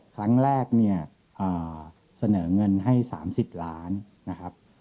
ครั้งแรกเนี่ยเสนอเงินให้๓๐ล้านนะครับ